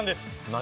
何？